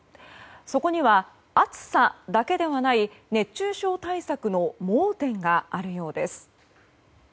そこには暑さだけではない熱中症対策の盲点があるようです。